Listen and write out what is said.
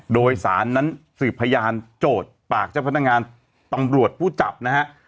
โดยสารนั้นสืบพยานโจทย์ปากเจ้าพนักงานตำรวจผู้จับนะฮะ